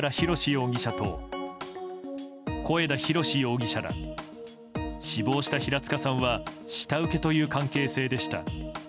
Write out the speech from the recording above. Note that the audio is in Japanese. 容疑者と小枝浩志容疑者ら死亡した平塚さんは下請けという関係性でした。